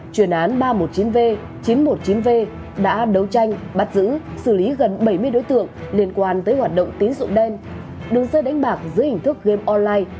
truyền án ba trăm một mươi chín v chín trăm một mươi chín v đã đấu tranh bắt giữ xử lý gần bảy mươi đối tượng liên quan tới hoạt động tín dụng đen đường dây đánh bạc dưới hình thức game online